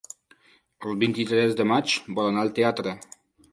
El vint-i-tres de maig vol anar al teatre.